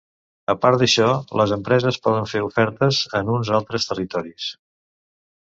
A part això, les empreses poden fer ofertes en uns altres territoris.